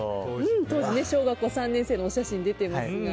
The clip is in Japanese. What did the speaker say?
当時小学校３年生のお写真が出ていますが。